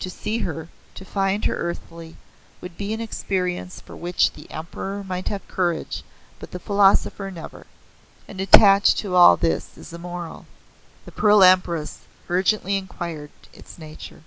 To see her, to find her earthly, would be an experience for which the Emperor might have courage, but the philosopher never. And attached to all this is a moral:" The Pearl Empress urgently inquired its nature.